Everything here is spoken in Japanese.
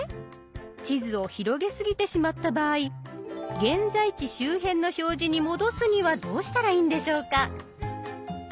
地図を広げすぎてしまった場合現在地周辺の表示に戻すにはどうしたらいいんでしょうか？